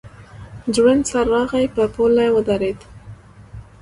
ځوړند سر راغی په پوله ودرېد.